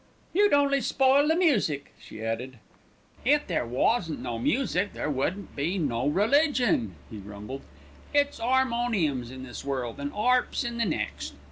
"You'd only spoil the music," she added. "If there wasn't no music there wouldn't be no religion," he grumbled. "It's 'armoniums in this world and 'arps in the next.